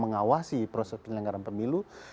mengawasi proses penyelenggaraan pemilu